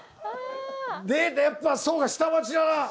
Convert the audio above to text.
やっぱそうか下町だな。